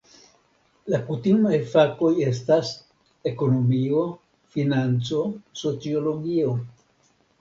La kutimaj fakoj estas ekonomio, financo, sociologio.